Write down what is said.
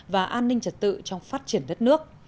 và an ninh trật tự trong phát triển đất nước